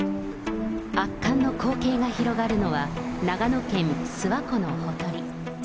圧巻の光景が広がるのは、長野県諏訪湖のほとり。